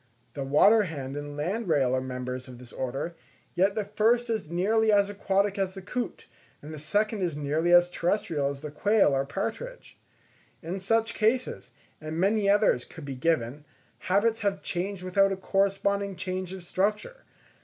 The water hen and landrail are members of this order, yet the first is nearly as aquatic as the coot, and the second is nearly as terrestrial as the quail or partridge. In such cases, and many others could be given, habits have changed without a corresponding change of structure.